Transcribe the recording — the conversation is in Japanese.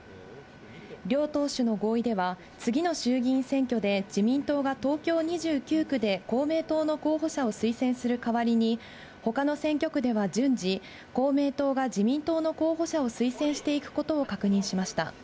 両党首の合意では、次の衆議院選挙で自民党が東京２９区で公明党の候補者を推薦する代わりに、ほかの選挙区では順次、公明党が自民党の候補者を推薦していくことを確認しました。